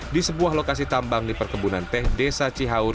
di sebuah lokasi tambang di perkebunan teh desa cihaur